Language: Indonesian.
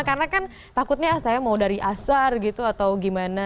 karena kan takutnya saya mau dari asar gitu atau gimana